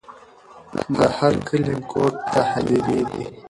د هر کلي ګوټ ته هدېرې دي.